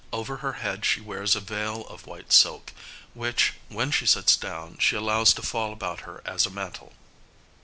Over her head she wears a veil of white silk, which, when she sits down, she allows to fall about her as a mantle.